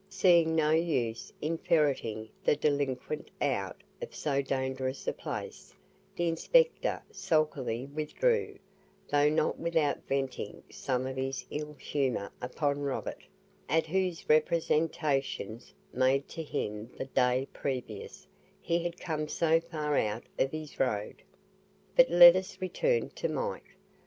Seeing no use in ferreting the delinquent out of so dangerous a place, the inspector sulkily withdrew, though not without venting some of his ill humour upon Robert, at whose representations, made to him the day previous, he had come so far out of his road. But let us return to Mike.